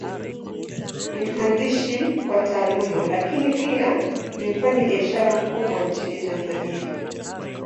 Ni mhandisi kwa Taaluma, Lakini pia ni mfanyabiashara mkubwa Nchini Tanzania.